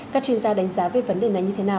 các chuyên gia đánh giá về vấn đề này như thế nào